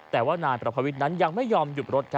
แต่ว่านายประพวิทย์นั้นยังไม่ยอมหยุดรถ